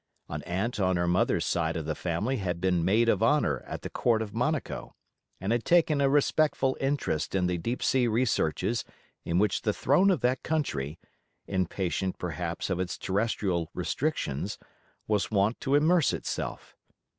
An aunt on her mother's side of the family had been Maid of Honour at the Court of Monaco, and had taken a respectful interest in the deep sea researches in which the Throne of that country, impatient perhaps of its terrestrial restrictions, was wont to immerse itself.